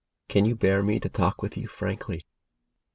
Can you bear me to talk with you frankly